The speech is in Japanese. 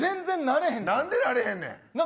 なんでなれへんねん。